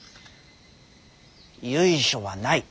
由緒はない。